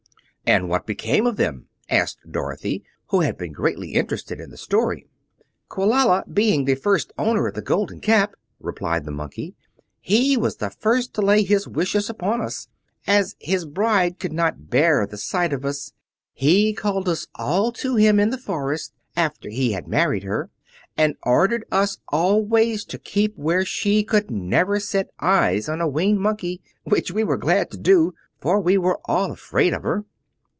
"And what became of them?" asked Dorothy, who had been greatly interested in the story. "Quelala being the first owner of the Golden Cap," replied the Monkey, "he was the first to lay his wishes upon us. As his bride could not bear the sight of us, he called us all to him in the forest after he had married her and ordered us always to keep where she could never again set eyes on a Winged Monkey, which we were glad to do, for we were all afraid of her.